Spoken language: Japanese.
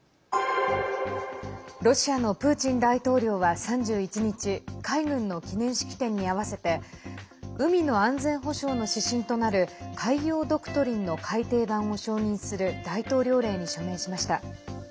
ロシアのプーチン大統領は３１日海軍の記念式典に合わせて海の安全保障の指針となる海洋ドクトリンの改訂版を承認する大統領令に署名しました。